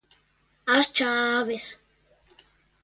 As chaves.